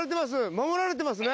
守られてますね。